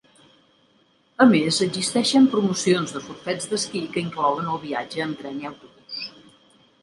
A més existeixen promocions de forfets d'esquí que inclouen el viatge amb tren i autobús.